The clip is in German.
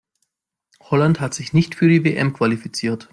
Holland hat sich nicht für die WM qualifiziert.